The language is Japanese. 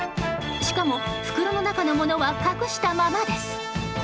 しかも袋の中のものは隠したままです。